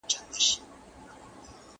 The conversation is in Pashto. ختیځ کلتور د لویدیځ په پرتله توپیر لري.